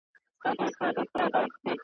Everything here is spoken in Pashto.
د پلرونو د نیکونو له داستانه یمه ستړی!